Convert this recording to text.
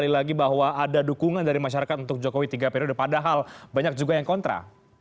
sekali lagi bahwa ada dukungan dari masyarakat untuk jokowi tiga periode padahal banyak juga yang kontra